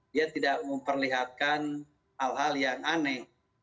dia tidak memperlihatkan hal hal yang aneh